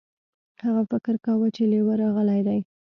هغه فکر کاوه چې لیوه راغلی دی.